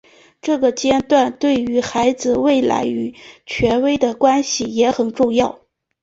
这个阶段对于孩子未来与权威的关系也很重要。